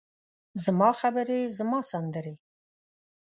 زما خبرې، زما سندرې،